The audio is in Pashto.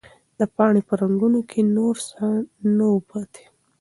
د پاڼې په رګونو کې نور څه نه وو پاتې.